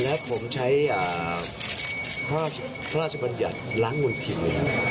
แล้วผมใช้พระราชบัญญัติล้างวนถิ่น